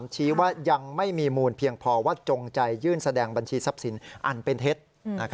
ชี้ว่ายังไม่มีมูลเพียงพอว่าจงใจยื่นแสดงบัญชีทรัพย์สินอันเป็นเท็จ